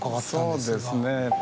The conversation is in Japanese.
そうですね。